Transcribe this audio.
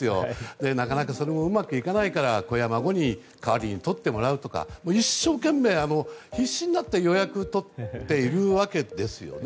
でも、なかなかそれもうまくいかないから子や孫に代わりにとってもらうとか一生懸命、必死になって予約を取っているわけですね。